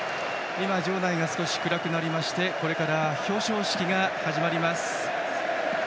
今、場内が少し暗くなりましてこれから表彰式が始まります。